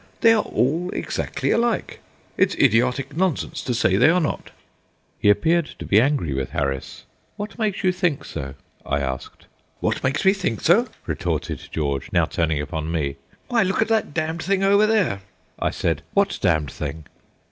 They are all exactly alike. It's idiotic nonsense to say they are not." He appeared to be angry with Harris. "What makes you think so?" I asked. "What makes me think so?" retorted George, now turning upon me. "Why, look at that damned thing over there!" I said: "What damned thing?"